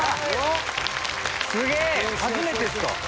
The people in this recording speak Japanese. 初めてよ。